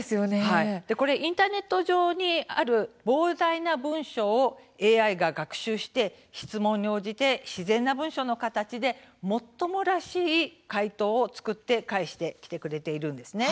これは、インターネット上にある膨大な文章をＡＩが学習して質問に応じて自然な文章の形でもっともらしい回答を作って返してきてくれているんです。